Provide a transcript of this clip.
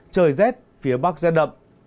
trời rét phía bắc rét đậm